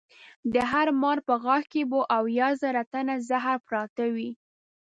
د هر مار په غاښ کې به اویا زره ټنه زهر پراته وي.